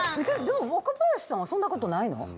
でも若林さんはそんなことないの？